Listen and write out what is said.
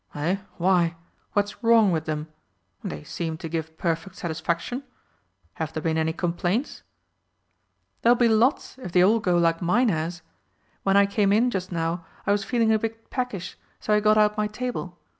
"Eh, why, what's wrong with them? They seemed to give perfect satisfaction. Have there been any complaints?" "There'll be lots if they all go like mine has. When I came in just now I was feeling a bit peckish, so I got out my table.